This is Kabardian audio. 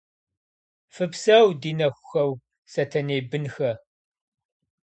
Фыпсэу, ди нэхухэу, сэтэней бынхэ.